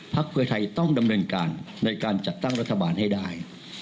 เพื่อไทยต้องดำเนินการในการจัดตั้งรัฐบาลให้ได้